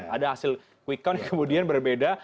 ada hasil quick count yang kemudian berbeda